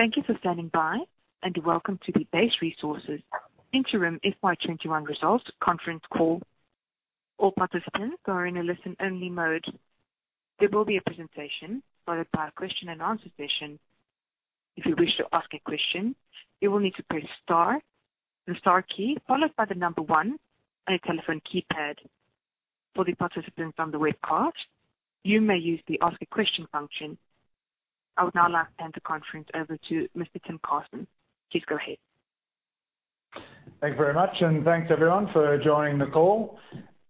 Thank you for standing by, and welcome to the Base Resources Interim FY 2021 Results conference call. All participants are in a listen-only mode. There will be a presentation, followed by a question and answer session. If you wish to ask a question, you will need to press star the star key, followed by the number one on your telephone keypad. For the participants on the webcast, you may use the ask a question function. I would now like to hand the conference over to Mr. Tim Carstens. Please go ahead. Thank you very much. Thanks, everyone, for joining the call.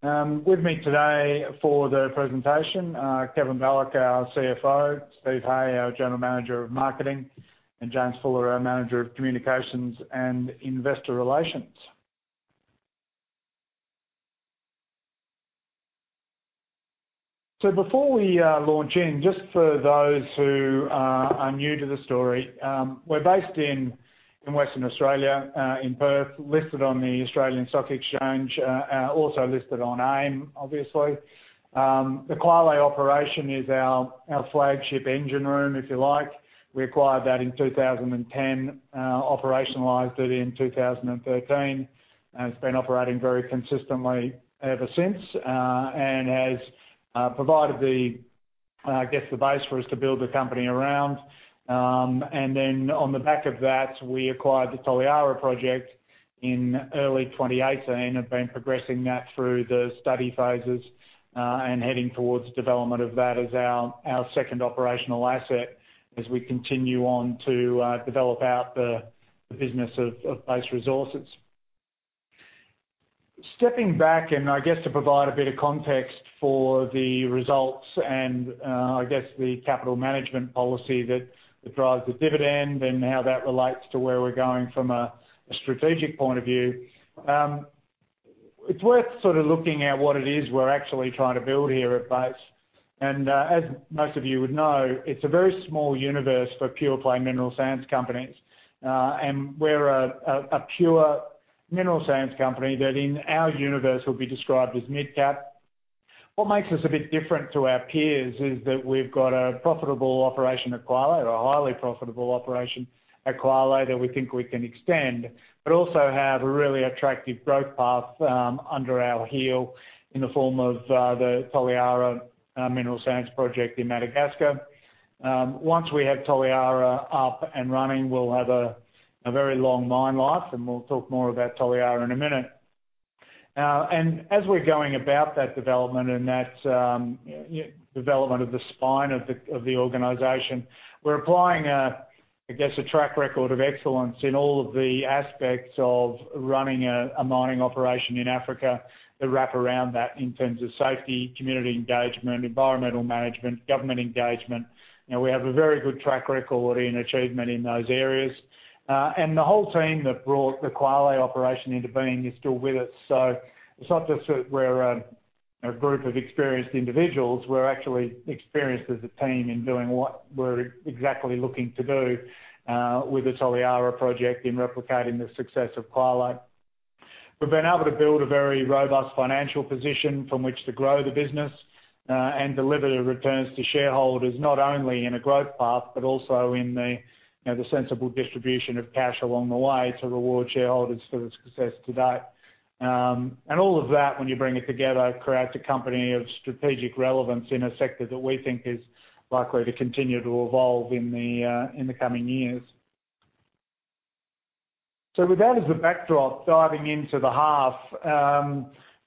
With me today for the presentation are Kevin Balloch, our CFO, Stephen Hay, our General Manager of Marketing, and James Fuller, our Manager of Communications and Investor Relations. Before we launch in, just for those who are new to the story, we're based in Western Australia, in Perth. Listed on the Australian Securities Exchange, also listed on AIM, obviously. The Kwale operation is our flagship engine room, if you like. We acquired that in 2010, operationalized it in 2013. It's been operating very consistently ever since, and has provided, I guess, the base for us to build the company around. On the back of that, we acquired the Toliara project in early 2018, have been progressing that through the study phases, and heading towards development of that as our second operational asset as we continue on to develop out the business of Base Resources. Stepping back and I guess to provide a bit of context for the results and, I guess, the capital management policy that drives the dividend and how that relates to where we're going from a strategic point of view. It's worth sort of looking at what it is we're actually trying to build here at Base. As most of you would know, it's a very small universe for pure-play mineral sands companies. We're a pure mineral sands company that in our universe would be described as mid-cap. What makes us a bit different to our peers is that we've got a profitable operation at Kwale, or a highly profitable operation at Kwale that we think we can extend, but also have a really attractive growth path under our heel in the form of the Toliara Mineral Sands Project in Madagascar. Once we have Toliara up and running, we'll have a very long mine life, and we'll talk more about Toliara in a minute. As we're going about that development and that development of the spine of the organization, we're applying a, I guess, a track record of excellence in all of the aspects of running a mining operation in Africa that wrap around that in terms of safety, community engagement, environmental management, government engagement. We have a very good track record and achievement in those areas. The whole team that brought the Kwale operation into being is still with us. It's not just that we're a group of experienced individuals. We're actually experienced as a team in doing what we're exactly looking to do with the Toliara project in replicating the success of Kwale. We've been able to build a very robust financial position from which to grow the business and deliver the returns to shareholders, not only in a growth path, but also in the sensible distribution of cash along the way to reward shareholders for its success to date. All of that, when you bring it together, creates a company of strategic relevance in a sector that we think is likely to continue to evolve in the coming years. With that as a backdrop, diving into the half.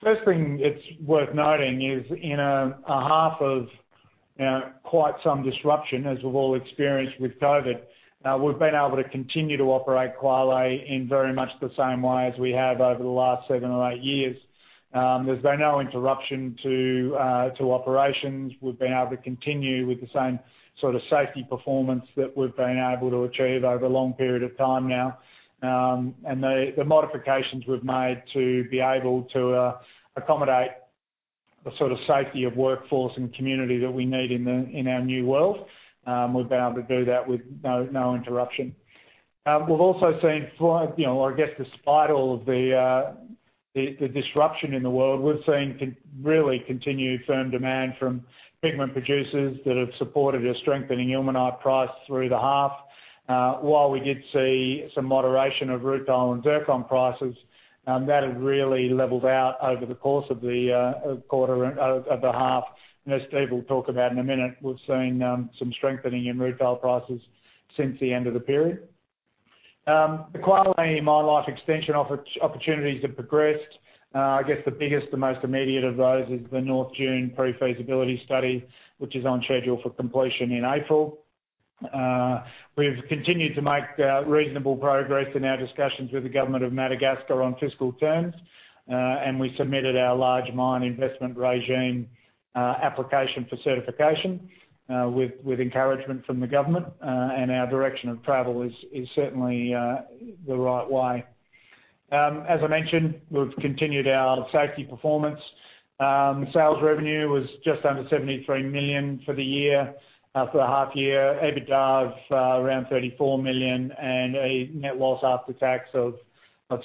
First thing it's worth noting is in a half of quite some disruption, as we've all experienced with COVID, we've been able to continue to operate Kwale in very much the same way as we have over the last seven or eight years. There's been no interruption to operations. We've been able to continue with the same sort of safety performance that we've been able to achieve over a long period of time now. The modifications we've made to be able to accommodate the sort of safety of workforce and community that we need in our new world, we've been able to do that with no interruption. We've also seen, I guess despite all of the disruption in the world, we've seen really continued firm demand from pigment producers that have supported a strengthening ilmenite price through the half. While we did see some moderation of rutile and zircon prices, that has really leveled out over the course of the half. As Stephen will talk about in a minute, we've seen some strengthening in rutile prices since the end of the period. The Kwale mine life extension opportunities have progressed. I guess the biggest and most immediate of those is the North Dune pre-feasibility study, which is on schedule for completion in April. We've continued to make reasonable progress in our discussions with the government of Madagascar on fiscal terms. We submitted our large mine investment regime application for certification with encouragement from the government. Our direction of travel is certainly the right way. As I mentioned, we've continued our safety performance. Sales revenue was just under 73 million for the half-year. EBITDA of around 34 million and a net loss after tax of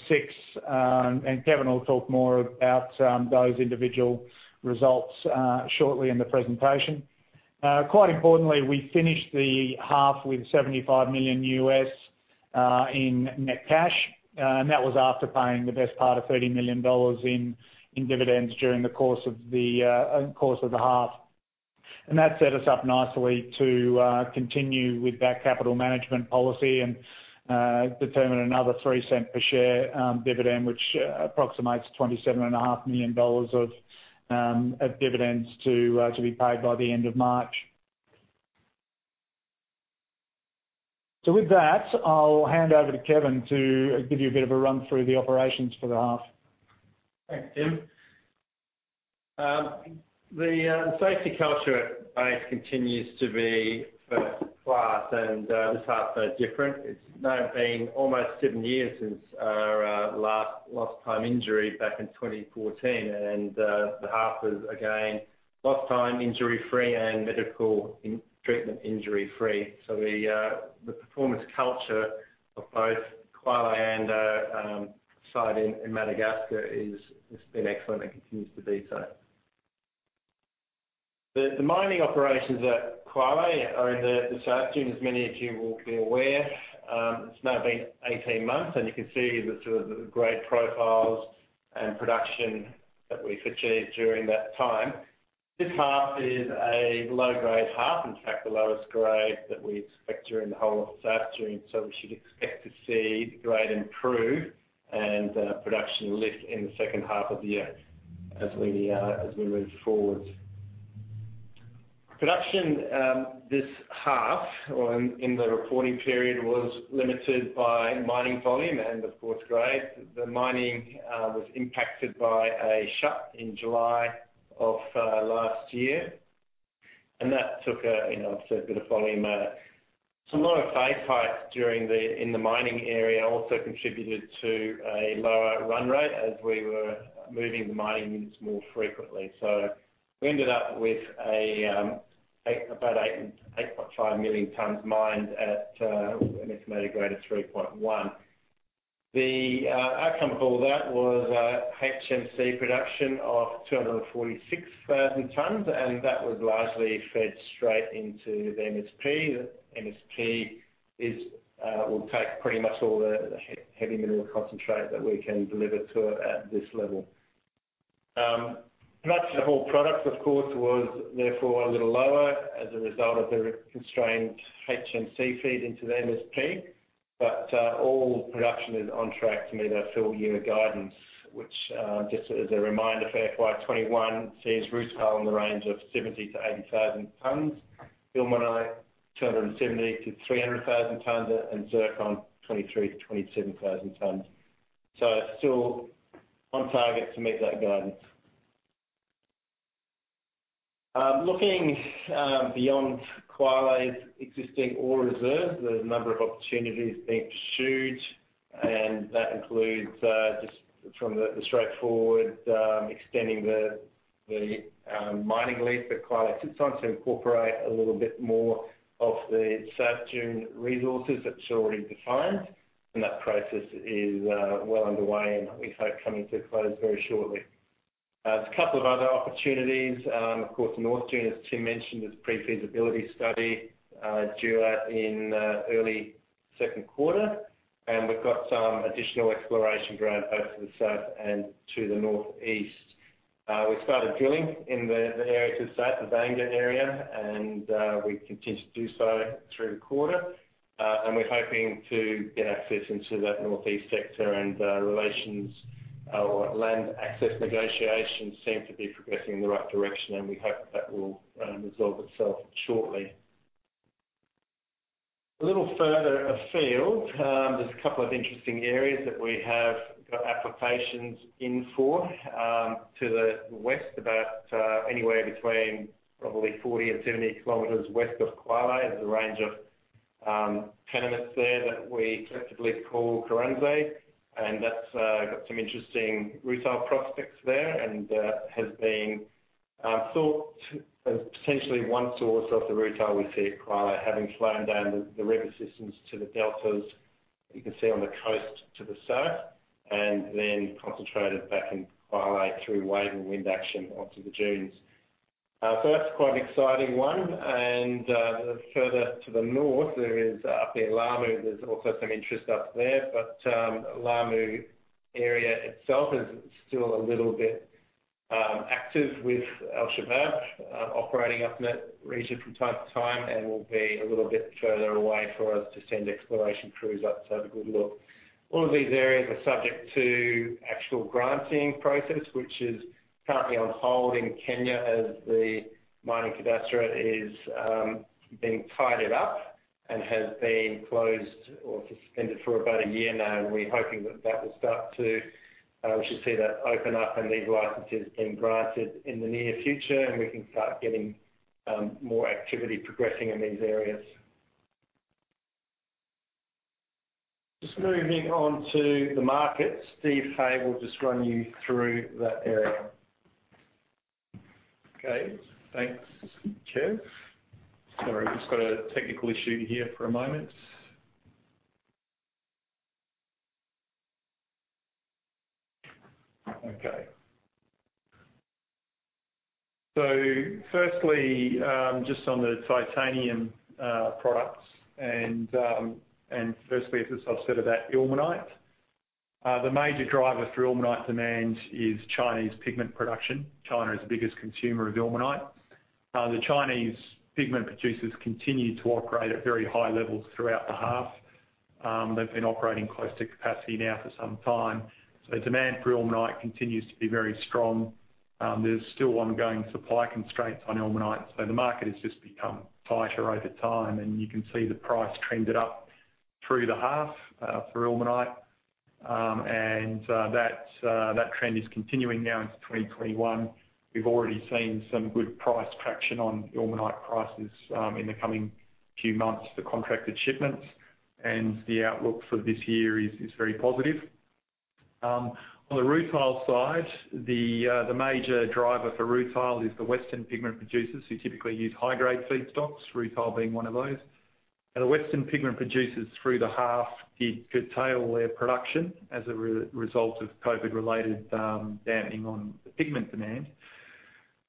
6 million. Kevin will talk more about those individual results shortly in the presentation. Quite importantly, we finished the half with $75 million in net cash. That was after paying the best part of $30 million in dividends during the course of the half. That set us up nicely to continue with that capital management policy and determine another 0.03 per share dividend, which approximates 27.5 million dollars of dividends to be paid by the end of March. With that, I'll hand over to Kevin to give you a bit of a run through the operations for the half. Thanks, Tim. The safety culture at Base continues to be first class, this half no different. It's now been almost seven years since our last lost time injury back in 2014. The half is again lost time injury-free and medical treatment injury-free. The performance culture of both Kwale and our site in Madagascar has been excellent and continues to be so. The mining operations at Kwale are in the South Dune, as many of you will be aware. It's now been 18 months, you can see the sort of grade profiles and production that we've achieved during that time. This half is a low-grade half, in fact, the lowest grade that we expect during the whole of South Dune, we should expect to see the grade improve and production lift in the second half of the year as we move forward. Production this half or in the reporting period, was limited by mining volume and of course, grade. The mining was impacted by a shut in July of last year, and that took a bit of volume. Some lower face heights in the mining area also contributed to a lower run rate as we were moving the mining units more frequently. We ended up with about 8.5 million tonnes mined at an estimated grade of 3.1. The outcome of all that was HMC production of 246,000 tonnes, and that was largely fed straight into the MSP. The MSP will take pretty much all the heavy mineral concentrate that we can deliver to it at this level. Production of all products, of course, was therefore a little lower as a result of the constrained HMC FEED into the MSP. All production is on track to meet our full-year guidance, which, just as a reminder, for FY 2021 sees rutile in the range of 70,000-80,000 tonnes, ilmenite 270,000 -300,000 tonnes, and zircon 23,000-27,000 tonnes. It's still on target to meet that guidance. Looking beyond Kwale's existing ore reserves, there's a number of opportunities being pursued, and that includes just from the straightforward extending the mining lease that Kwale sits on to incorporate a little bit more of the South Dune resources that's already defined. That process is well underway, and we hope coming to a close very shortly. There's a couple of other opportunities. Of course, North Dune, as Tim mentioned, is pre-feasibility study, due out in early second quarter. We've got some additional exploration ground both to the south and to the northeast. We started drilling in the area to the south, the Vanga area, and we continue to do so through the quarter. We're hoping to get access into that northeast sector, and relations or land access negotiations seem to be progressing in the right direction, and we hope that will resolve itself shortly. A little further afield, there's a couple of interesting areas that we have got applications in for. To the west, about anywhere between probably 40 km and 70 km west of Kwale, there's a range of tenements there that we collectively call Kuranze, and that's got some interesting rutile prospects there and has been thought of potentially one source of the rutile we see at Kwale having flown down the river systems to the deltas, you can see on the coast to the south, and then concentrated back in Kwale through wave and wind action onto the dunes. That's quite an exciting one. Further to the north, up near Lamu, there's also some interest up there. Lamu area itself is still a little bit active with Al-Shabaab operating up in that region from time to time and will be a little bit further away for us to send exploration crews up to have a good look. All of these areas are subject to actual granting process, which is currently on hold in Kenya as the mining cadastre is being tidied up and has been closed or suspended for about a year now. We're hoping that we should see that open up and these licenses being granted in the near future, and we can start getting more activity progressing in these areas. Just moving on to the market. Stephen Hay will just run you through that area. Okay, thanks, Kev. Sorry, we've just got a technical issue here for a moment. Okay. Firstly, just on the titanium products and firstly, as I've said, about ilmenite. The major driver for ilmenite demand is Chinese pigment production. China is the biggest consumer of ilmenite. The Chinese pigment producers continued to operate at very high levels throughout the half. They've been operating close to capacity now for some time. Demand for ilmenite continues to be very strong. There's still ongoing supply constraints on ilmenite, so the market has just become tighter over time, and you can see the price trended up through the half for ilmenite. That trend is continuing now into 2021. We've already seen some good price traction on ilmenite prices in the coming few months for contracted shipments, and the outlook for this year is very positive. On the rutile side, the major driver for rutile is the Western pigment producers who typically use high-grade feedstocks, rutile being one of those. The Western pigment producers through the half did curtail their production as a result of COVID-related dampening on the pigment demand.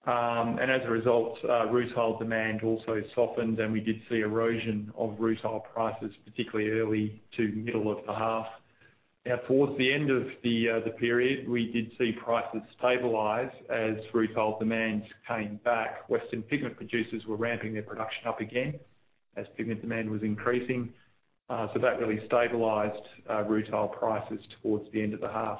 As a result, rutile demand also softened, and we did see erosion of rutile prices, particularly early to middle of the half. Towards the end of the period, we did see prices stabilize as rutile demands came back. Western pigment producers were ramping their production up again as pigment demand was increasing. That really stabilized rutile prices towards the end of the half.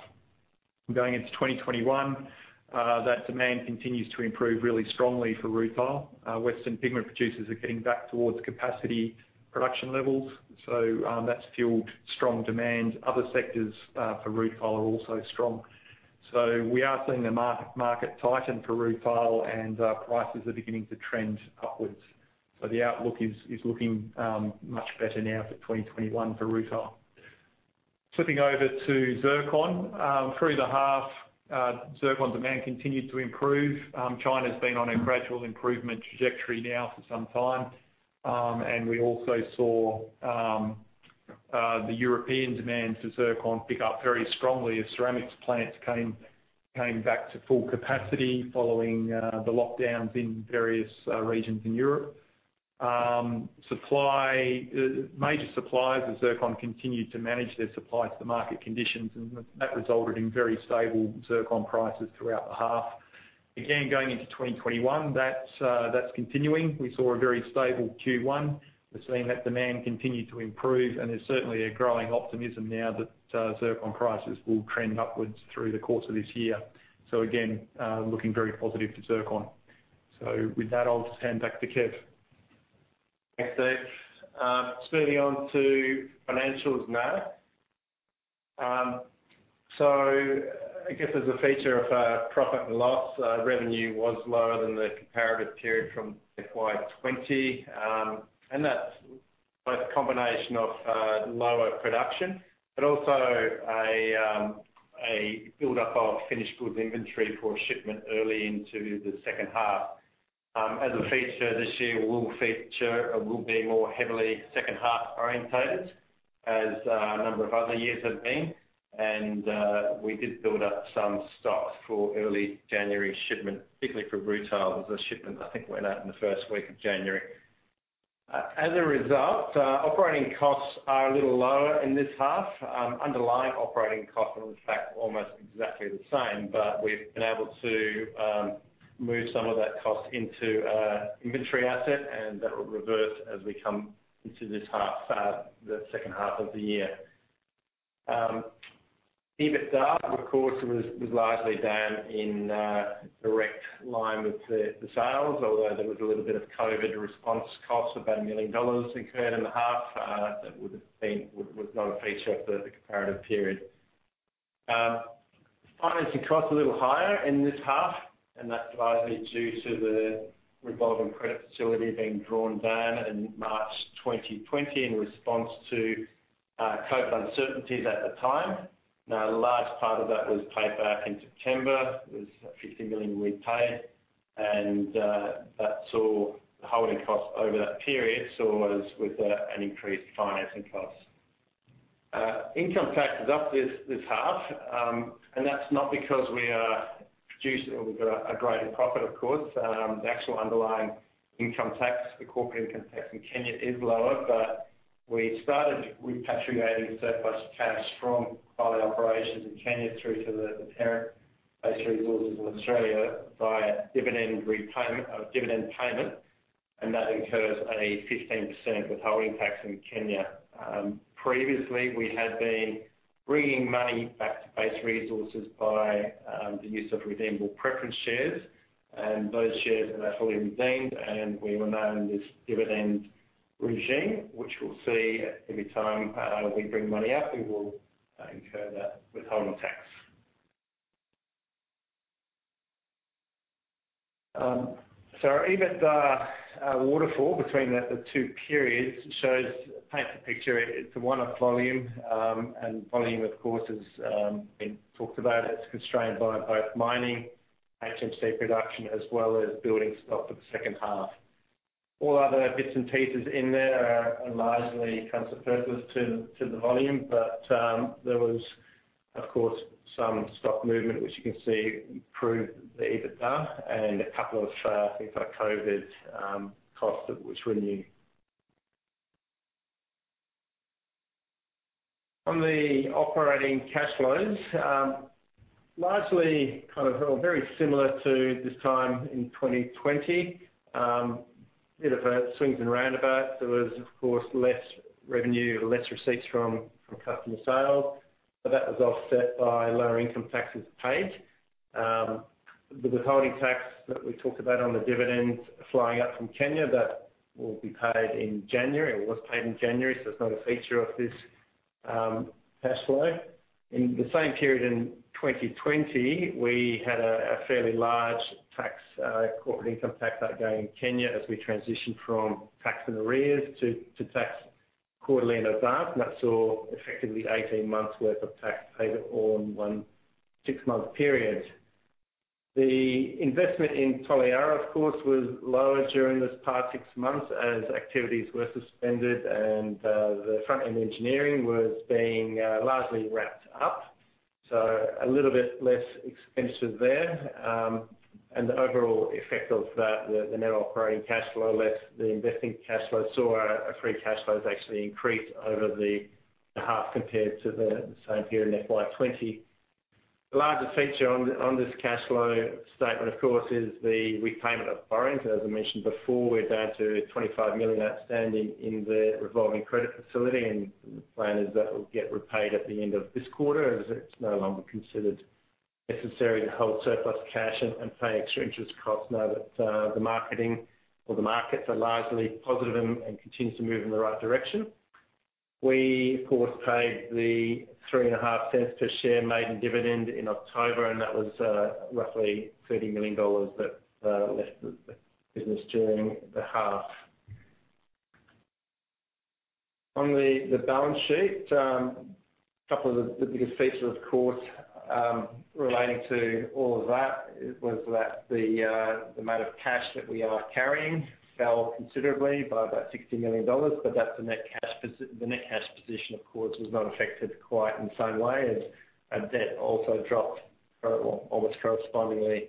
Going into 2021, that demand continues to improve really strongly for rutile. Western pigment producers are getting back towards capacity production levels, so that's fueled strong demand. Other sectors for rutile are also strong. We are seeing the market tighten for rutile, and prices are beginning to trend upwards. The outlook is looking much better now for 2021 for rutile. Flipping over to zircon. Through the half, zircon demand continued to improve. China's been on a gradual improvement trajectory now for some time. We also saw the European demand for zircon pick up very strongly as ceramics plants came back to full capacity following the lockdowns in various regions in Europe. Major suppliers of zircon continued to manage their supply to the market conditions, and that resulted in very stable zircon prices throughout the half. Again, going into 2021, that's continuing. We saw a very stable Q1. We're seeing that demand continue to improve, and there's certainly a growing optimism now that zircon prices will trend upwards through the course of this year. Again, looking very positive for zircon. With that, I'll just hand back to Kev. Thanks, Stephen. Moving on to financials now. I guess as a feature of our profit and loss, revenue was lower than the comparative period from FY 2020. That's both a combination of lower production, but also a build-up of finished goods inventory for shipment early into the second half. As a feature this year, we'll be more heavily second half orientated, as a number of other years have been. We did build up some stocks for early January shipment, particularly for rutile. There was a shipment I think went out in the first week of January. As a result, operating costs are a little lower in this half. Underlying operating costs are, in fact, almost exactly the same, but we've been able to move some of that cost into an inventory asset, and that will reverse as we come into the second half of the year. EBITDA, of course, was largely down in direct line with the sales, although there was a little bit of COVID response costs, about 1 million dollars incurred in the half that was not a feature of the comparative period. Financing costs are a little higher in this half. That's largely due to the revolving credit facility being drawn down in March 2020 in response to COVID uncertainties at the time. The large part of that was paid back in September. It was 50 million we paid. That saw the holding cost over that period, so was with an increased financing cost. Income tax is up this half. That's not because we are producing or we've got a greater profit, of course. The actual underlying income tax, the corporate income tax in Kenya is lower. We started repatriating surplus cash from our operations in Kenya through to the parent Base Resources in Australia via dividend payment, and that incurs a 15% withholding tax in Kenya. Previously, we had been bringing money back to Base Resources by the use of redeemable preference shares. Those shares are now fully redeemed. We are now in this dividend regime, which will see every time we bring money out, we will incur that withholding tax. Our EBITDA waterfall between the two periods shows, paint the picture. It's a one-off volume. Volume, of course, has been talked about. It's constrained by both mining, HMC production, as well as building stock for the second half. All other bits and pieces in there are largely kind of purposeless to the volume. There was, of course, some stock movement, which you can see improved the EBITDA, and a couple of things like COVID costs that was renewed. On the operating cash flows, largely very similar to this time in 2020. Bit of a swings and roundabouts. There was, of course, less revenue, less receipts from customer sales. That was offset by lower income taxes paid. The withholding tax that we talked about on the dividends flying up from Kenya, that will be paid in January, or was paid in January, so it's not a feature of this cash flow. In the same period in 2020, we had a fairly large corporate income tax outgo in Kenya as we transitioned from tax in arrears to tax quarterly in advance. That saw effectively 18 months worth of tax paid all in one six-month period. The investment in Toliara, of course, was lower during this past six months, as activities were suspended and the front-end engineering was being largely wrapped up. A little bit less expenditure there. The overall effect of that, the net operating cash flow less the investing cash flow, saw our free cash flows actually increase over the half compared to the same period in FY 2020. The largest feature on this cash flow statement, of course, is the repayment of borrowings. As I mentioned before, we're down to 25 million outstanding in the revolving credit facility, and the plan is that will get repaid at the end of this quarter as it's no longer considered necessary to hold surplus cash and pay extra interest costs now that the marketing or the markets are largely positive and continue to move in the right direction. We, of course, paid the 0.035 per share maiden dividend in October. That was roughly 30 million dollars that left the business during the half. On the balance sheet, a couple of the biggest features, of course, relating to all of that was that the amount of cash that we are carrying fell considerably by about 60 million dollars. The net cash position, of course, was not affected quite in the same way as our debt also dropped almost correspondingly,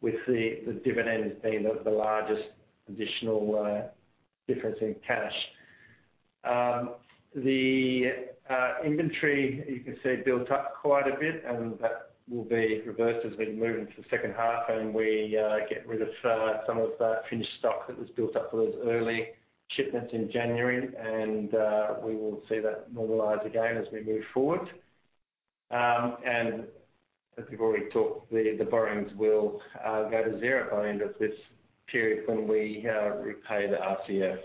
with the dividends being the largest additional difference in cash. The inventory, you can see, built up quite a bit. That will be reversed as we move into the second half and we get rid of some of that finished stock that was built up for those early shipments in January. We will see that normalize again as we move forward. As we've already talked, the borrowings will go to zero by end of this period when we repay the RCF.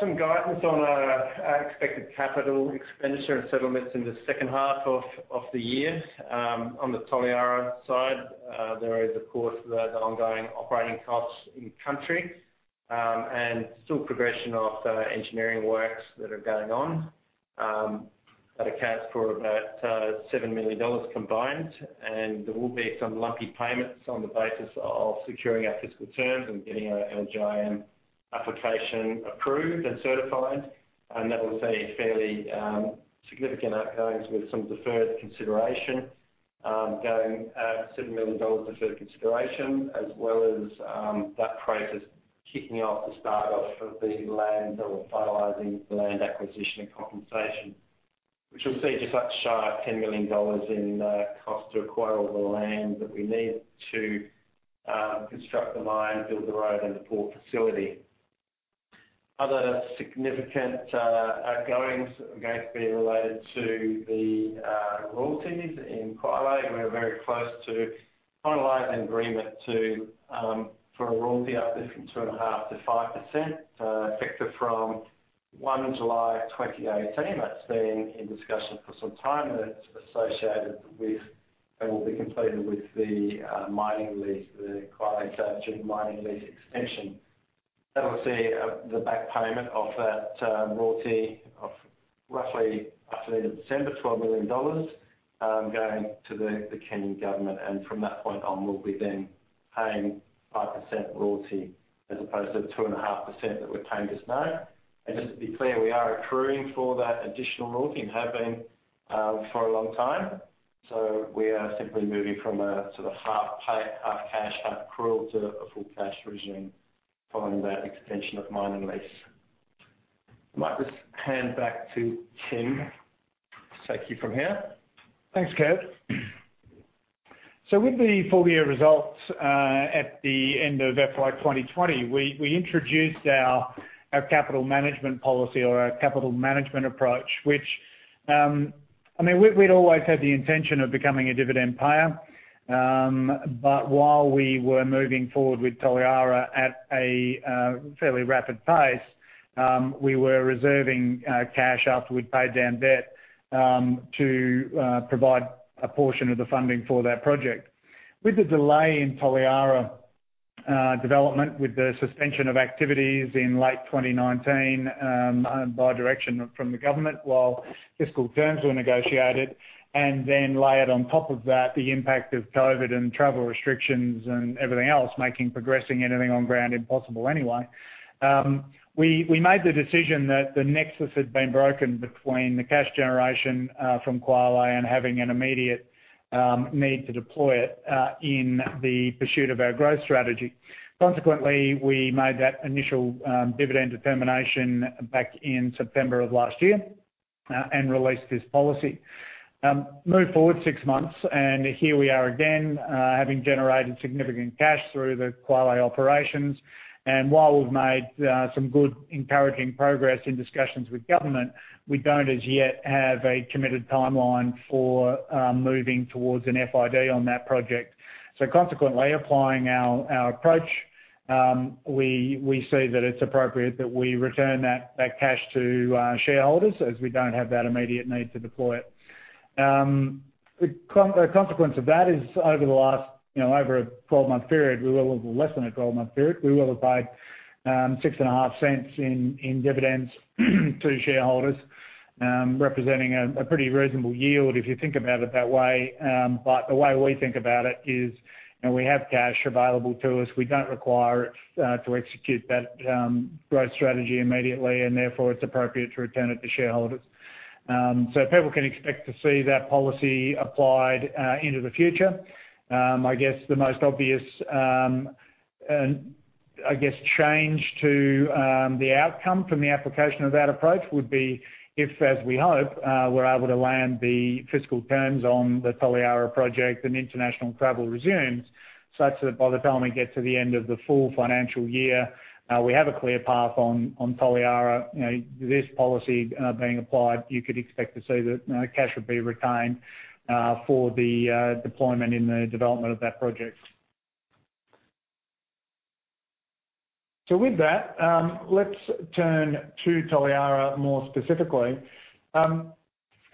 Some guidance on our expected capital expenditure and settlements in the second half of the year. On the Toliara side, there is, of course, the ongoing operating costs in country, and still progression of engineering works that are going on. That accounts for about 7 million dollars combined, and there will be some lumpy payments on the basis of securing our fiscal terms and getting our ELGIN application approved and certified. That will see fairly significant outgoings with some deferred consideration, going at 7 million dollars deferred consideration, as well as that process kicking off the start of the land or finalizing the land acquisition and compensation. Which will see just short of 10 million dollars in cost to acquire all the land that we need to construct the mine, build the road and the port facility. Other significant outgoings are going to be related to the royalties in Kwale. We're very close to finalizing agreement for a royalty uptick from 2.5% to 5%, effective from 1 July 2018. That's been in discussion for some time. That's associated with, and will be completed with, the mining lease, the Kwale South Dune Mining lease extension. That will see the back payment of that royalty of roughly, up to the end of December, 12 million dollars, going to the Kenyan government. From that point on, we'll be then paying 5% royalty as opposed to the 2.5% that we're paying just now. Just to be clear, we are accruing for that additional royalty and have been for a long time. We are simply moving from a sort of half pay, half cash, half accrual to a full cash regime following that extension of Mining lease. I might just hand back to Tim to take you from here. Thanks, Kev. With the full year results at the end of FY 2020, we introduced our capital management policy or our capital management approach, which, we'd always had the intention of becoming a dividend payer. While we were moving forward with Toliara at a fairly rapid pace, we were reserving cash after we'd paid down debt, to provide a portion of the funding for that project. With the delay in Toliara development with the suspension of activities in late 2019, by direction from the government while fiscal terms were negotiated. Layered on top of that, the impact of COVID and travel restrictions and everything else, making progressing anything on ground impossible anyway. We made the decision that the nexus had been broken between the cash generation from Kwale and having an immediate need to deploy it, in the pursuit of our growth strategy. Consequently, we made that initial dividend determination back in September of last year, and released this policy. Move forward six months, here we are again, having generated significant cash through the Kwale operations. While we've made some good encouraging progress in discussions with government, we don't as yet have a committed timeline for moving towards an FID on that project. Consequently, applying our approach, we see that it's appropriate that we return that cash to shareholders as we don't have that immediate need to deploy it. The consequence of that is over a less than a 12-month period, we will have paid 0.065 in dividends to shareholders, representing a pretty reasonable yield if you think about it that way. The way we think about it is, we have cash available to us. We don't require it to execute that growth strategy immediately, and therefore it's appropriate to return it to shareholders. People can expect to see that policy applied into the future. I guess the most obvious change to the outcome from the application of that approach would be if, as we hope, we're able to land the fiscal terms on the Toliara project and international travel resumes, such that by the time we get to the end of the full financial year, we have a clear path on Toliara. This policy being applied, you could expect to see that cash would be retained for the deployment in the development of that project. With that, let's turn to Toliara more specifically.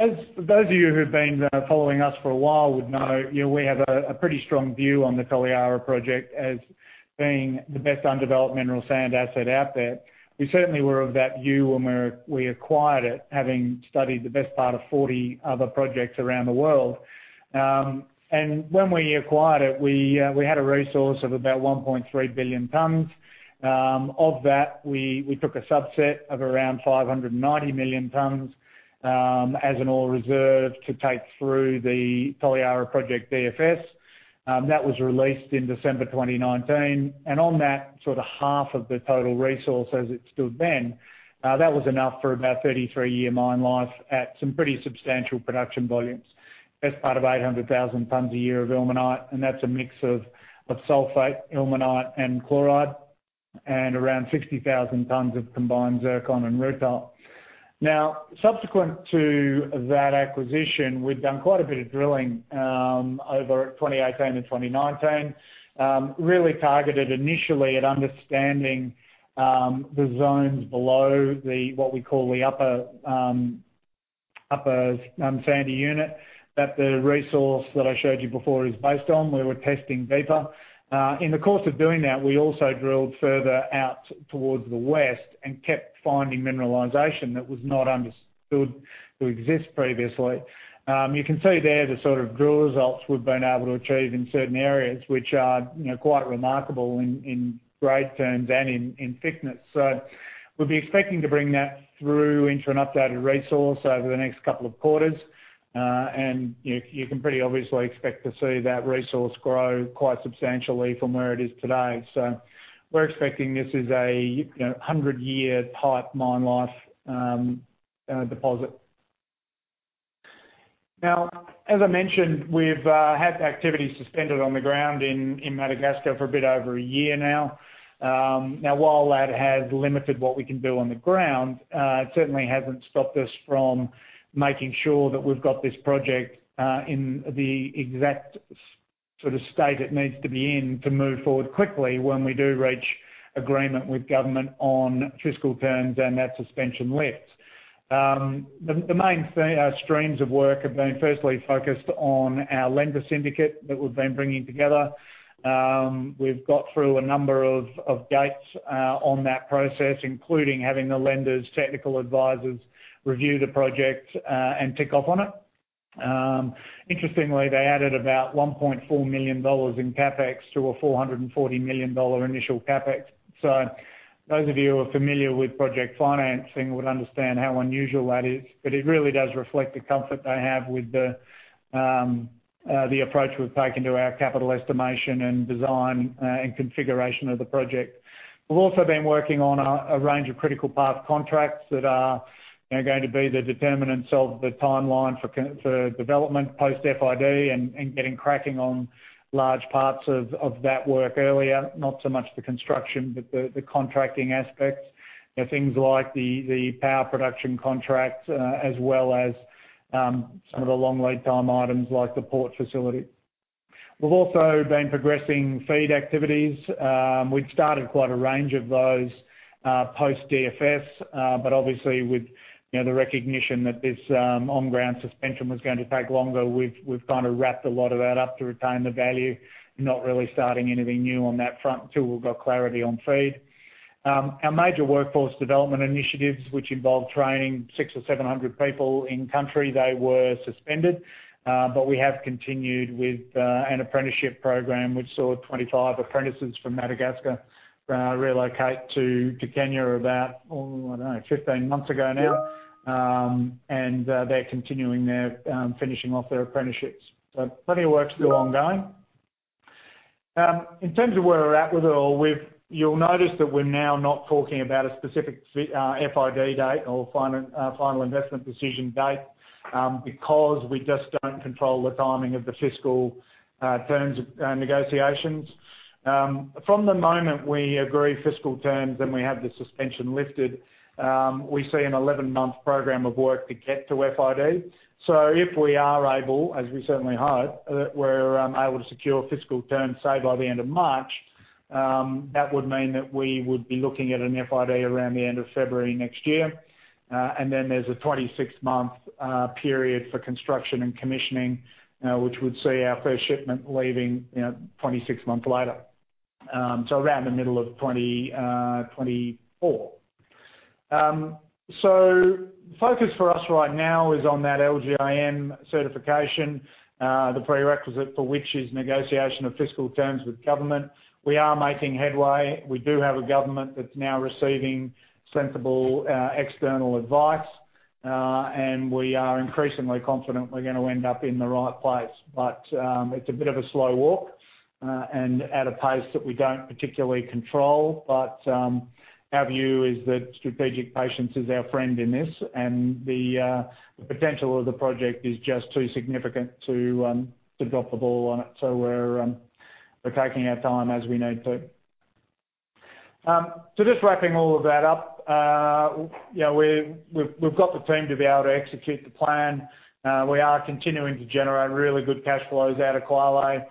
As those of you who've been following us for a while would know, we have a pretty strong view on the Toliara project as being the best undeveloped mineral sands asset out there. We certainly were of that view when we acquired it, having studied the best part of 40 other projects around the world. When we acquired it, we had a resource of about 1.3 billion tonnes. Of that, we took a subset of around 590 million tonnes, as an ore reserve to take through the Toliara project DFS. That was released in December 2019. On that sort of half of the total resource as it stood then, that was enough for about 33-year mine life at some pretty substantial production volumes. Best part of 800,000 tonnes a year of ilmenite, and that's a mix of sulfate, ilmenite, and chloride, and around 60,000 tonnes of combined zircon and rutile. Subsequent to that acquisition, we've done quite a bit of drilling over 2018 and 2019. Really targeted initially at understanding the zones below what we call the upper sandy unit, that the resource that I showed you before is based on, where we're testing deeper. In the course of doing that, we also drilled further out towards the west and kept finding mineralization that was not understood to exist previously. You can see there the sort of drill results we've been able to achieve in certain areas, which are quite remarkable in grade terms and in thickness. We'll be expecting to bring that through into an updated resource over the next couple of quarters. You can pretty obviously expect to see that resource grow quite substantially from where it is today. We're expecting this is a 100-year type mine life deposit. As I mentioned, we've had activities suspended on the ground in Madagascar for a bit over a year now. While that has limited what we can do on the ground, it certainly hasn't stopped us from making sure that we've got this project in the exact state it needs to be in to move forward quickly when we do reach agreement with government on fiscal terms and that suspension lifts. The main streams of work have been firstly focused on our lender syndicate that we've been bringing together. We've got through a number of gates on that process, including having the lenders, technical advisors, review the project, and tick off on it. Interestingly, they added about 1.4 million dollars in CapEx to a 440 million dollar initial CapEx. Those of you who are familiar with project financing would understand how unusual that is. It really does reflect the comfort they have with the approach we've taken to our capital estimation and design, and configuration of the project. We've also been working on a range of critical path contracts that are going to be the determinants of the timeline for development post FID and getting cracking on large parts of that work earlier. Not so much the construction, but the contracting aspects. Things like the power production contract, as well as some of the long lead time items like the port facility. We've also been progressing feed activities. We've started quite a range of those post-DFS. Obviously with the recognition that this on-ground suspension was going to take longer, we've wrapped a lot of that up to retain the value. Not really starting anything new on that front till we've got clarity on FID. Our major workforce development initiatives, which involve training 600 or 700 people in country, they were suspended. We have continued with an apprenticeship program, which saw 25 apprentices from Madagascar relocate to Kenya about, I don't know, 15 months ago now. They're continuing, they're finishing off their apprenticeships. Plenty of work still ongoing. In terms of where we're at with it all, you'll notice that we're now not talking about a specific FID date or final investment decision date, because we just don't control the timing of the fiscal terms negotiations. From the moment we agree fiscal terms, and we have the suspension lifted, we see an 11 months program of work to get to FID. If we are able, as we certainly hope, that we're able to secure fiscal terms say by the end of March, that would mean that we would be looking at an FID around the end of February next year. There's a 26 months period for construction and commissioning, which would see our first shipment leaving 26 months later. Around the middle of 2024. The focus for us right now is on that LGIM certification, the prerequisite for which is negotiation of fiscal terms with government. We are making headway. We do have a government that's now receiving sensible external advice. We are increasingly confident we're going to end up in the right place. It's a bit of a slow walk, and at a pace that we don't particularly control. Our view is that strategic patience is our friend in this, and the potential of the project is just too significant to drop the ball on it. We're taking our time as we need to. Just wrapping all of that up. We've got the team to be able to execute the plan. We are continuing to generate really good cash flows out of Kwale.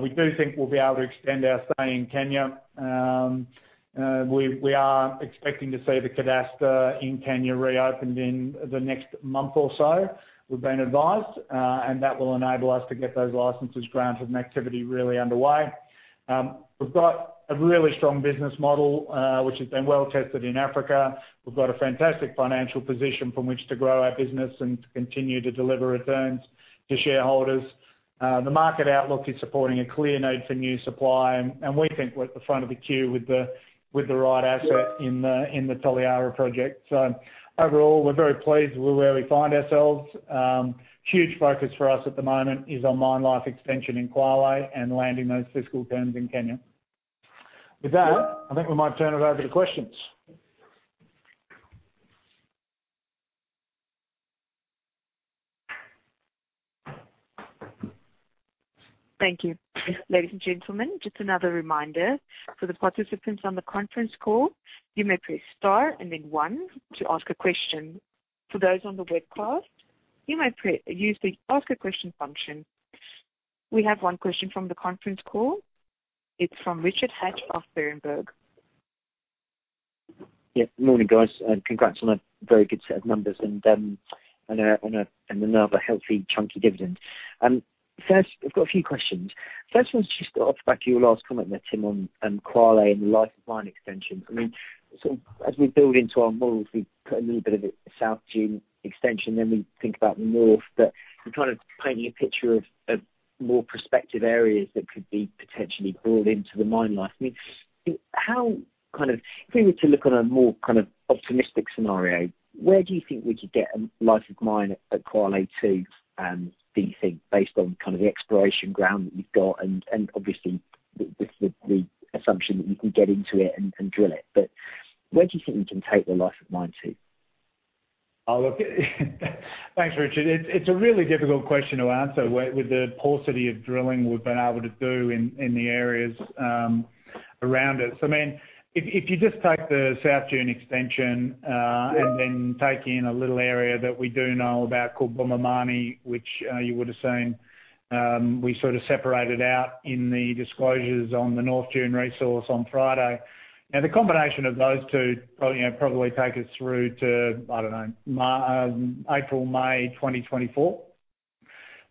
We do think we'll be able to extend our stay in Kenya. We are expecting to see the cadastre in Kenya reopened in the next month or so, we've been advised. That will enable us to get those licenses granted and activity really underway. We've got a really strong business model, which has been well-tested in Africa. We've got a fantastic financial position from which to grow our business and to continue to deliver returns to shareholders. The market outlook is supporting a clear need for new supply. We think we're at the front of the queue with the right asset in the Toliara Project. Overall, we're very pleased with where we find ourselves. Huge focus for us at the moment is on mine life extension in Kwale and landing those fiscal terms in Kenya. With that, I think we might turn it over to questions. Thank you. Ladies and gentlemen, just another reminder, for the participants on the conference call, you may press star and then one to ask a question. For those on the webcast, you may use the Ask a Question function. We have one question from the conference call. It's from Richard Hatch of Berenberg. Yeah. Morning, guys, congrats on a very good set of numbers, and another healthy, chunky dividend. I've got a few questions. First one's just off the back of your last comment there, Tim Carstens, on Kwale and the life of mine extensions. I mean, as we build into our models, we put a little bit of a South Dune extension, then we think about the North, but you're kind of painting a picture of more prospective areas that could be potentially brought into the mine life. I mean, if we were to look on a more optimistic scenario, where do you think we could get a life of mine at Kwale to do you think, based on the exploration ground that you've got, and obviously with the assumption that you can get into it and drill it. Where do you think we can take the life of mine to? Oh, look. Thanks, Richard. It's a really difficult question to answer with the paucity of drilling we've been able to do in the areas around it. If you just take the South Dune extension. Yeah. Then take in a little area that we do know about called Bumamani, which you would've seen we sort of separated out in the disclosures on the North Dune resource on Friday. The combination of those two probably take us through to, I don't know, April, May 2024.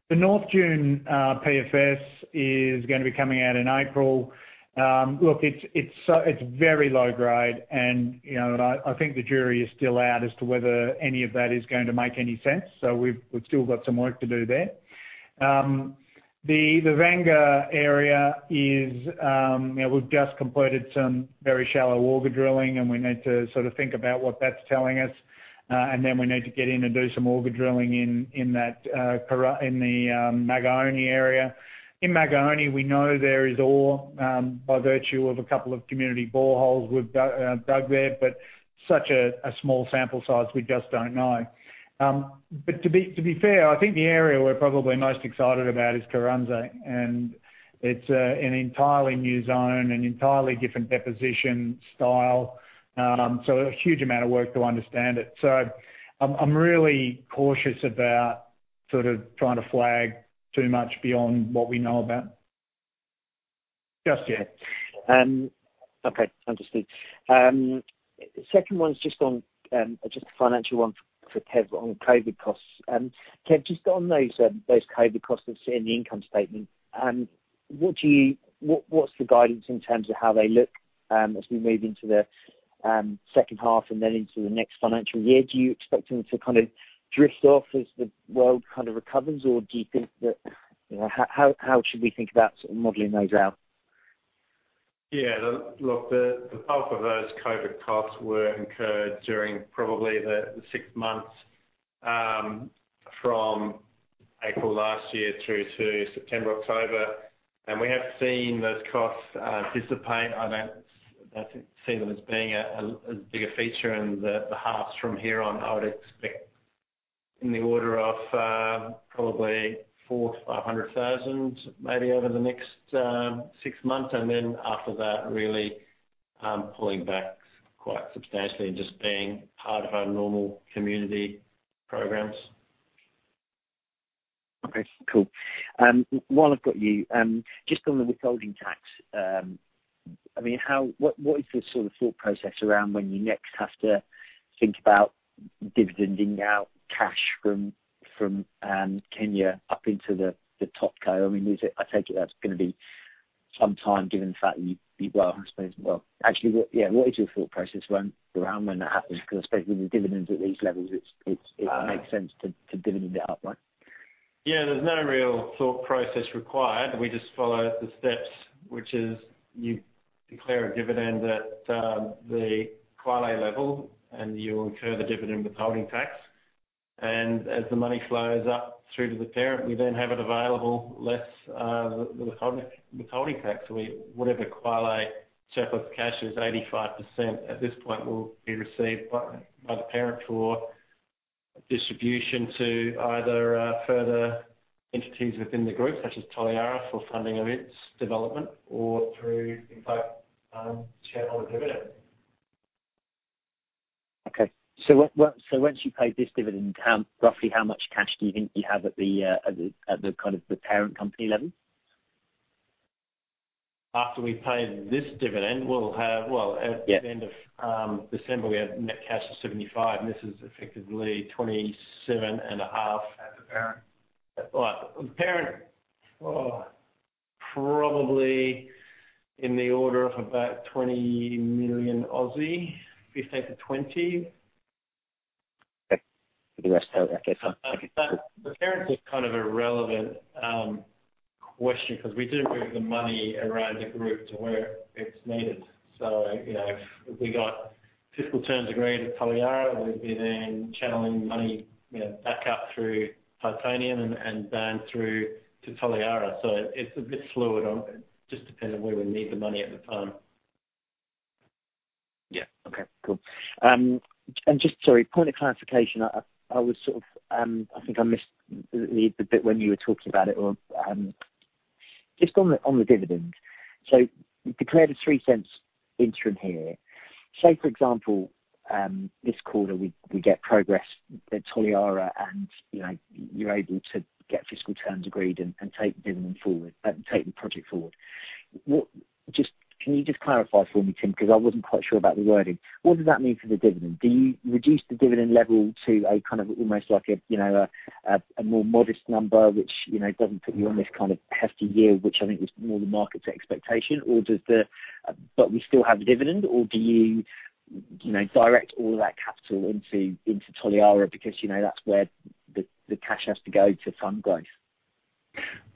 The North Dune PFS is going to be coming out in April. It's very low grade, and I think the jury is still out as to whether any of that is going to make any sense. We've still got some work to do there. The Vanga area is, we've just completed some very shallow auger drilling, and we need to sort of think about what that's telling us. Then we need to get in and do some auger drilling in the Magaoni area. In Magaoni, we know there is ore, by virtue of a couple of community boreholes we've dug there, but such a small sample size, we just don't know. To be fair, I think the area we're probably most excited about is Kuranze. It's an entirely new zone, an entirely different deposition style, so a huge amount of work to understand it. I'm really cautious about trying to flag too much beyond what we know about. Just yet. Okay, understood. Second one's just a financial one for Kev on COVID costs. Kev, just on those COVID costs that is in the income statement, what's the guidance in terms of how they look as we move into the second half and then into the next financial year? Do you expect them to kind of drift off as the world kind of recovers, or how should we think about modeling those out? Look, the bulk of those COVID costs were incurred during probably the six months from April last year through to September, October. We have seen those costs dissipate. I don't see them as being a bigger feature in the halves from here on. I would expect in the order of probably 400,000-500,000 maybe over the next six months, and then after that, really pulling back quite substantially and just being part of our normal community programs. Okay, cool. While I've got you, just on the withholding tax, what is the sort of thought process around when you next have to think about dividending out cash from Kenya up into the top co? I take it that's going to be some time, given the fact that Well, actually, what is your thought process around when that happens? Especially with the dividends at these levels, it makes sense to dividend it up, right? Yeah, there's no real thought process required. We just follow the steps, which is you declare a dividend at the Kwale level, and you incur the dividend withholding tax. As the money flows up through to the parent, we then have it available less the withholding tax. Whatever Kwale surplus cash is 85% at this point will be received by the parent for distribution to either further entities within the group, such as Toliara, for funding of its development or through shareholder dividend. Okay. Once you pay this dividend, roughly how much cash do you think you have at the parent company level? After we've paid this dividend. Well, at the end of December, we had net cash of $75 million. This is effectively 27 and a half. At the parent. Right. The parent, probably in the order of about 20 million, 15 million-20 million. Okay. The parent is kind of irrelevant question because we do move the money around the group to where it's needed. If we got fiscal terms agreed at Toliara, we'd be then channeling money back up through Titanium and down through to Toliara. It's a bit fluid. Just depends on where we need the money at the time. Yeah. Okay, cool. Just, sorry, point of clarification, I think I missed the bit when you were talking about it or just on the dividend. You declared an 0.03 interim here. Say, for example, this quarter, we get progress at Toliara, and you're able to get fiscal terms agreed and take the dividend forward, take the project forward. Can you just clarify for me, Tim, because I wasn't quite sure about the wording. What does that mean for the dividend? Do you reduce the dividend level to a more modest number, which doesn't put you on this kind of hefty year, which I think was more the market's expectation, but we still have a dividend, or do you direct all of that capital into Toliara because that's where the cash has to go to fund growth?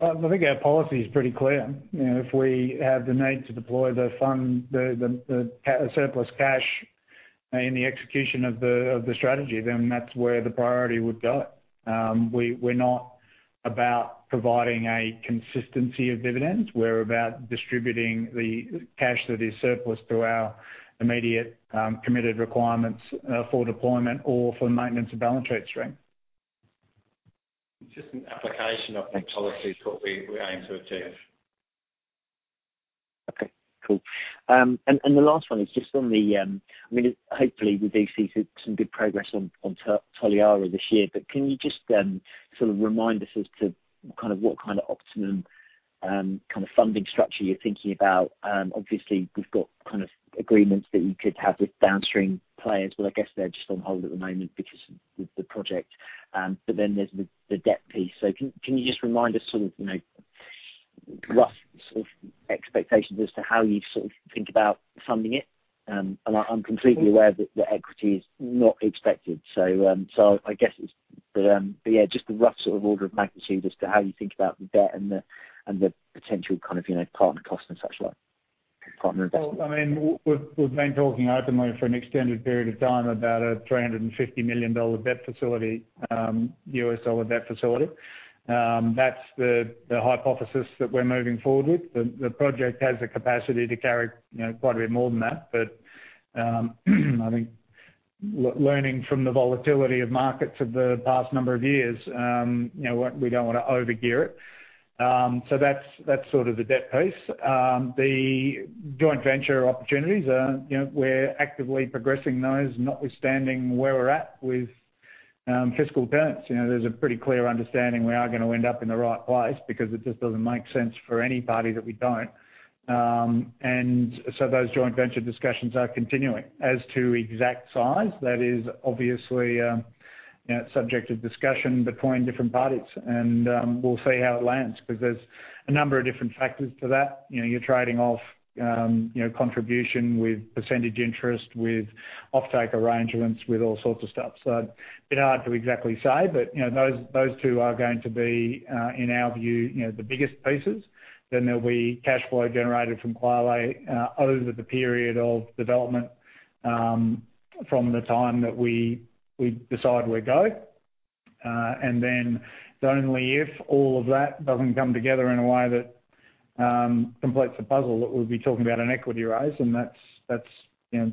I think our policy is pretty clear. If we have the need to deploy the surplus cash in the execution of the strategy, then that's where the priority would go. We're not about providing a consistency of dividends. We're about distributing the cash that is surplus through our immediate committed requirements for deployment or for maintenance of balance sheet strength. It's just an application of the policy that we aim to achieve. Okay, cool. Hopefully, we do see some good progress on Toliara this year, but can you just remind us as to what kind of optimum funding structure you're thinking about? Obviously, we've got agreements that you could have with downstream players, but I guess they're just on hold at the moment because of the project. There's the debt piece. Can you just remind us sort of rough sort of expectations as to how you think about funding it? I'm completely aware that equity is not expected. I guess it's just the rough sort of order of magnitude as to how you think about the debt and the potential kind of partner cost and such like, partner investment. We've been talking openly for an extended period of time about a 350 million dollar debt facility. That's the hypothesis that we're moving forward with. The project has the capacity to carry quite a bit more than that, but I think learning from the volatility of markets of the past number of years, we don't want to over-gear it. That's sort of the debt piece. The joint venture opportunities, we're actively progressing those notwithstanding where we're at with fiscal terms. There's a pretty clear understanding we are going to end up in the right place because it just doesn't make sense for anybody that we don't. Those joint venture discussions are continuing. As to exact size, that is obviously subject to discussion between different parties, and we'll see how it lands, because there's a number of different factors to that. You're trading off contribution with percentage interest, with offtake arrangements, with all sorts of stuff. A bit hard to exactly say. Those two are going to be, in our view, the biggest pieces. There'll be cash flow generated from Kwale over the period of development from the time that we decide we're go. It's only if all of that doesn't come together in a way that completes the puzzle, that we'll be talking about an equity raise, and that's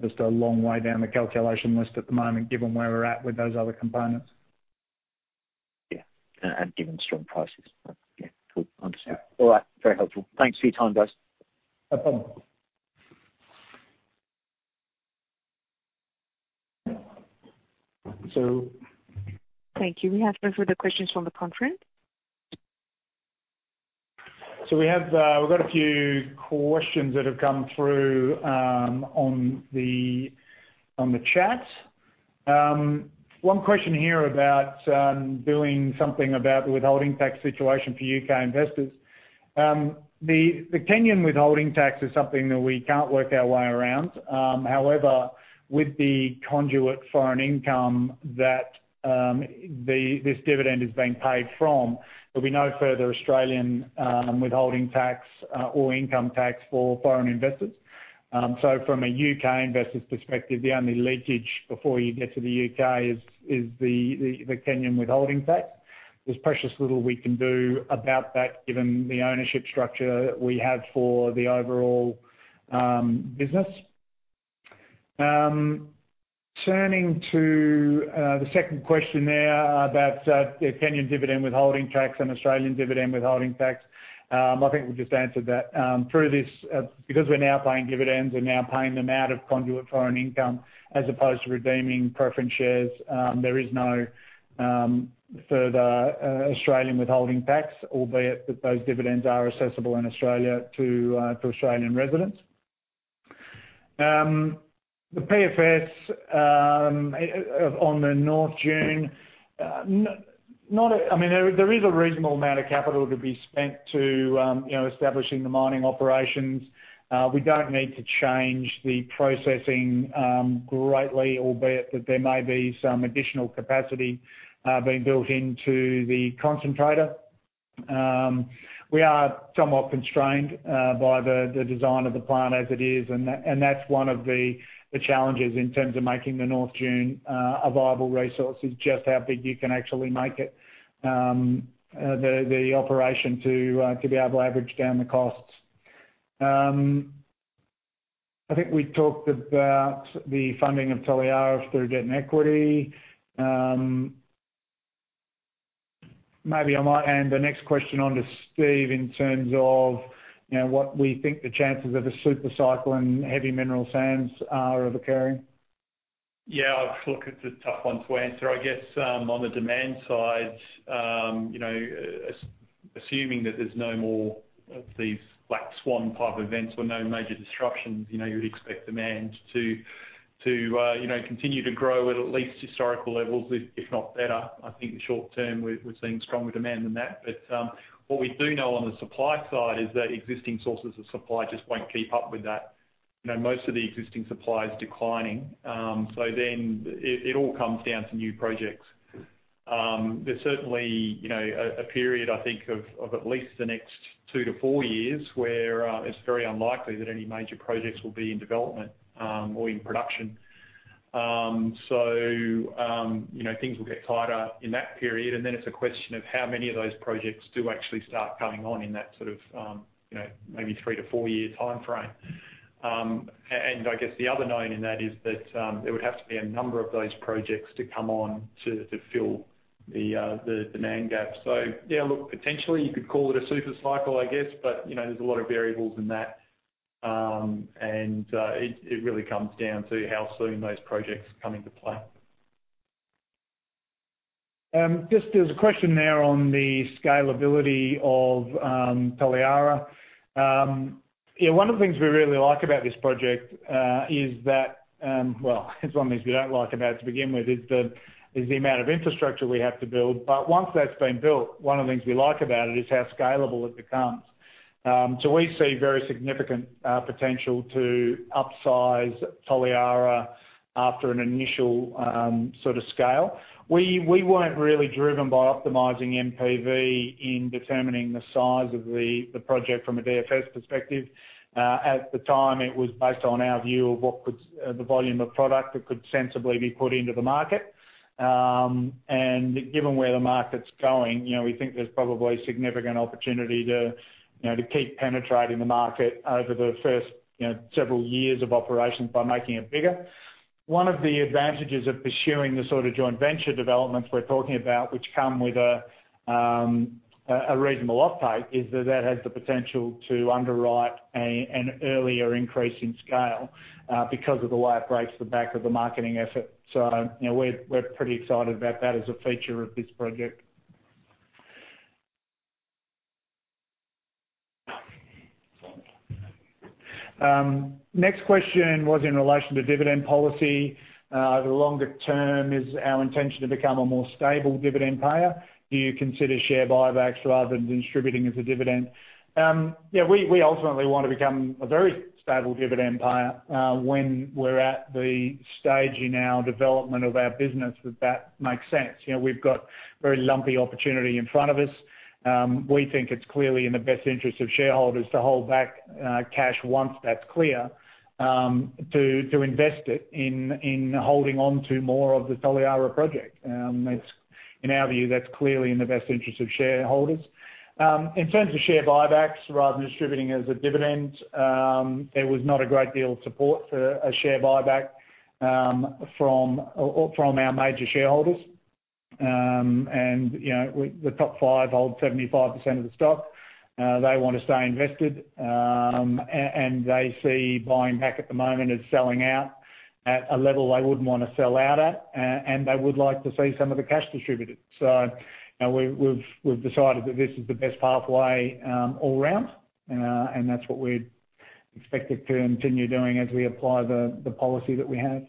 just a long way down the calculation list at the moment, given where we're at with those other components. Yeah. Given strong prices. Yeah, cool. Understood. Yeah. All right. Very helpful. Thanks for your time, guys. No problem. Thank you. We have no further questions from the conference. We have got a few questions that have come through on the chat. One question here about doing something about the withholding tax situation for U.K. investors. The Kenyan withholding tax is something that we can't work our way around. However, with the conduit foreign income that this dividend is being paid from, there'll be no further Australian withholding tax or income tax for foreign investors. From a U.K. investor's perspective, the only leakage before you get to the U.K. is the Kenyan withholding tax. There's precious little we can do about that given the ownership structure that we have for the overall business. Turning to the second question there about the Kenyan dividend withholding tax and Australian dividend withholding tax. I think we've just answered that. Through this, because we're now paying dividends, we're now paying them out of conduit foreign income as opposed to redeemable preference shares. There is no further Australian withholding tax, albeit that those dividends are assessable in Australia to Australian residents. The PFS on the North Dune. There is a reasonable amount of capital to be spent to establishing the mining operations. We don't need to change the processing greatly, albeit that there may be some additional capacity being built into the concentrator. We are somewhat constrained by the design of the plant as it is, and that's one of the challenges in terms of making the North Dune a viable resource, is just how big you can actually make it, the operation to be able to average down the costs. I think we talked about the funding of Toliara through debt and equity. Maybe I might hand the next question on to Stephen in terms of what we think the chances of a super cycle and heavy mineral sands are of occurring. Yeah. Look, it's a tough one to answer. I guess, on the demand side, assuming that there's no more of these black swan type events or no major disruptions, you'd expect demand to continue to grow at at least historical levels, if not better. I think the short term, we're seeing stronger demand than that. What we do know on the supply side is that existing sources of supply just won't keep up with that. Most of the existing supply is declining. It all comes down to new projects. There's certainly a period, I think, of at least the next two to four years where it's very unlikely that any major projects will be in development or in production. Things will get tighter in that period, and then it's a question of how many of those projects do actually start coming on in that maybe three to four-year timeframe. I guess the other known in that is that there would have to be a number of those projects to come on to fill the demand gap. Yeah, look, potentially you could call it a super cycle, I guess, but there's a lot of variables in that. It really comes down to how soon those projects come into play. Just there's a question there on the scalability of Toliara. Yeah, one of the things we really like about this project is that, well, it's one of the things we don't like about it to begin with, is the amount of infrastructure we have to build. Once that's been built, one of the things we like about it is how scalable it becomes. We see very significant potential to upsize Toliara after an initial sort of scale. We weren't really driven by optimizing NPV in determining the size of the project from a DFS perspective. At the time, it was based on our view of the volume of product that could sensibly be put into the market. Given where the market's going, we think there's probably significant opportunity to keep penetrating the market over the first several years of operations by making it bigger. One of the advantages of pursuing the sort of joint venture developments we're talking about, which come with a reasonable offtake, is that that has the potential to underwrite an earlier increase in scale because of the way it breaks the back of the marketing effort. We're pretty excited about that as a feature of this project. Next question was in relation to dividend policy. Over the longer term, is our intention to become a more stable dividend payer? Do you consider share buybacks rather than distributing as a dividend? We ultimately want to become a very stable dividend payer when we're at the stage in our development of our business that that makes sense. We've got very lumpy opportunity in front of us. We think it's clearly in the best interest of shareholders to hold back cash once that's clear, to invest it in holding onto more of the Toliara project. In our view, that's clearly in the best interest of shareholders. The top five hold 75% of the stock. They want to stay invested, and they see buying back at the moment as selling out at a level they wouldn't want to sell out at, and they would like to see some of the cash distributed. We've decided that this is the best pathway all around, and that's what we're expected to continue doing as we apply the policy that we have.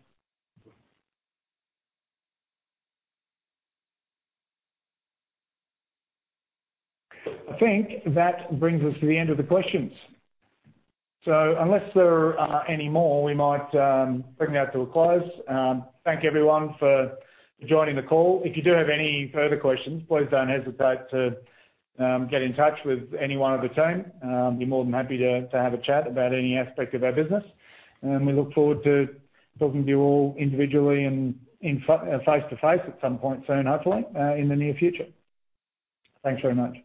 I think that brings us to the end of the questions. Unless there are any more, we might bring that to a close. Thank everyone for joining the call. If you do have any further questions, please don't hesitate to get in touch with any one of the team. Be more than happy to have a chat about any aspect of our business. We look forward to talking to you all individually and face-to-face at some point soon, hopefully, in the near future. Thanks very much.